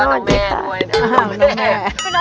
สวัสดีค่ะ